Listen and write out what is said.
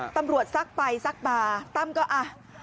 ตำรวจซักไปซักมาตั้มก็อ่ะ